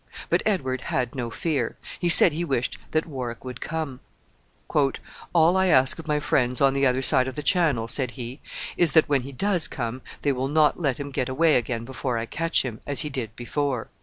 But Edward had no fear. He said he wished that Warwick would come. "All I ask of my friends on the other side of the Channel," said he, "is that, when he does come, they will not let him get away again before I catch him as he did before."